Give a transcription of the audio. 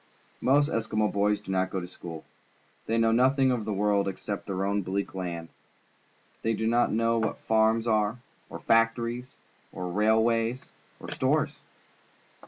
Most Eskimo boys do not go to school. They know nothing of the world except their own bleak land. They do not know what farms are, or factories, or railways, or stores.